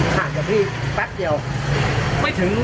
ใช่ครับประกันหมด๔มครึ่ง